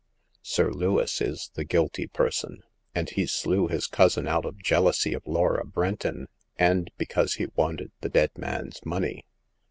Sir Lewis is the guilty person, and he slew his cousin out of jealousy of Laura Brenton, and because he wanted the dead man's money."